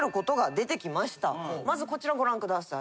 まずこちらご覧ください。